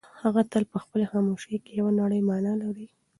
هغه تل په خپلې خاموشۍ کې یوه نړۍ مانا لري.